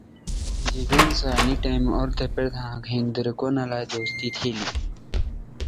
Around this time Gibbons had developed quite a camaraderie with the legendary Jimi Hendrix.